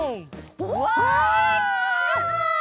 うわすごい！